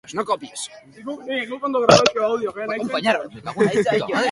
Bi argazkiak famatuen berri ematen duten blog askotan zabaldu dituzte egunean zehar.